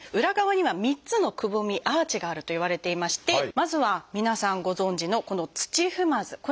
裏側には３つのくぼみアーチがあるといわれていましてまずは皆さんご存じのこの土踏まず。